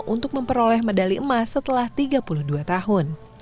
untuk memperoleh medali emas setelah tiga puluh dua tahun